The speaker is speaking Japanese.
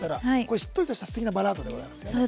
しっとりとしたすてきなバラードですよね。